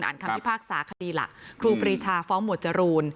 คำพิพากษาคดีหลักครูปรีชาฟ้องหมวดจรูน